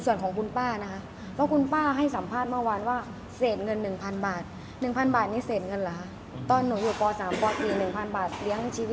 แสดงว่าเราจะบอกว่าเงินและชื่อเสียงเป็นเหตุ